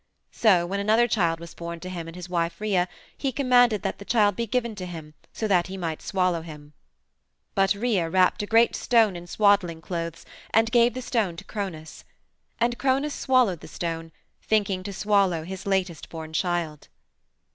So when another child was born to him and his wife Rhea he commanded that the child be given to him so that he might swallow him. But Rhea wrapped a great stone in swaddling clothes and gave the stone to Cronos. And Cronos swallowed the stone, thinking to swallow his latest born child.